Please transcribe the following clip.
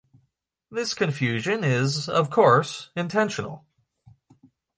This confusion is, of course, intentional.